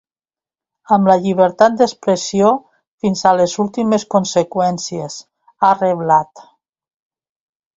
Amb la llibertat d’expressió, fins a les últimes conseqüències, ha reblat.